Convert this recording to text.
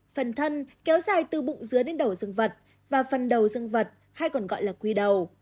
phần thân kéo dài từ bụng dưới đến đầu dương vật và phần đầu dương vật hay còn gọi là quy đầu